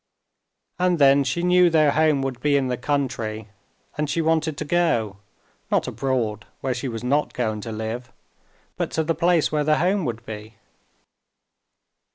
And then she knew their home would be in the country, and she wanted to go, not abroad where she was not going to live, but to the place where their home would be.